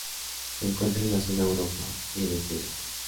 Se encuentra en la zona Europa y el Este de Asia.